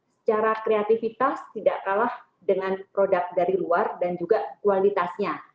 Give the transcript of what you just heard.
secara kreativitas tidak kalah dengan produk dari luar dan juga kualitasnya